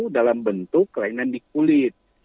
dalam bentuk kelainan di kulit